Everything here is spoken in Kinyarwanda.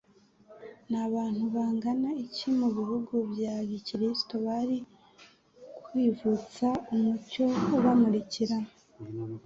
ni abantu bangana iki mu bihugu bya gikristo bari kwivutsa umucyo ubamurkira!